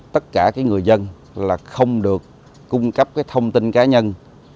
tất cả người dân không được cung cấp thông tin cá nhân